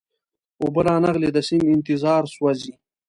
اوبه را نغلې د سیند انتظار سوزي